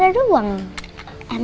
kan adik aku cuma naskah ada doang